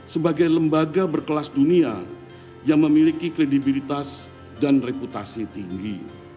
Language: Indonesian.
sebagai lembaga berkelas dunia yang memiliki kredibilitas dan reputasi tinggi